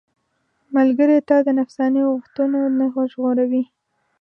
ملګری تا د نفساني غوښتنو نه ژغوري.